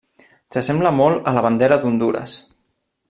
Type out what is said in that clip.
S'assembla molt a la bandera d'Hondures.